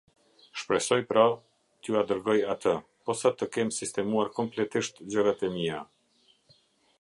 Shpresoj, pra, t’jua dërgoj atë, posa të kem sistemuar kompletisht gjërat e mia.